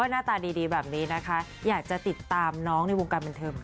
หน้าตาดีแบบนี้นะคะอยากจะติดตามน้องในวงการบันเทิง